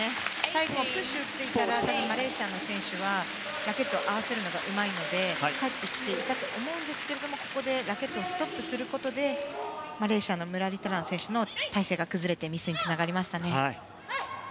最後プッシュを打っていたら多分マレーシアの選手はラケットを合わせるのがうまいので返ってきていたと思うんですがラケットをストップすることでマレーシアのムラリタラン選手の体勢が崩れてミスにつながりましたね。